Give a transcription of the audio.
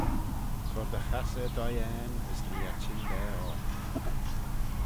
Cur dty chass er dhiane as nee e chyndaa ort.